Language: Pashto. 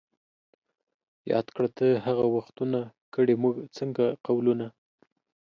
یاد کړه ته هغه وختونه ـ کړي موږ څنګه قولونه